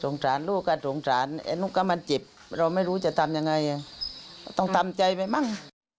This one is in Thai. สารลูกอ่ะสงสารไอ้ลูกก็มันเจ็บเราไม่รู้จะทำยังไงต้องทำใจไปมั่ง